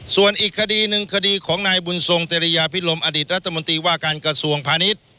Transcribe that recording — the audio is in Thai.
ส่วนอีกคดีหนึ่งคดีของนายบุญทรงเจริยาพิรมอดีตรัฐมนตรีว่าการกระทรวงพาณิชย์